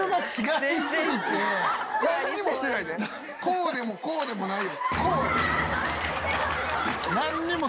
こうでもこうでもないでこう！